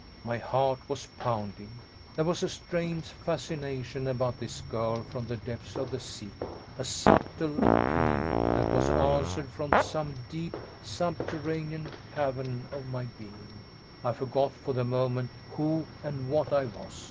My heart was pounding. There was a strange fascination about this girl from the depths of the sea, a subtle appeal that was answered from some deep subterranean cavern of my being. I forgot, for the moment, who and what I was.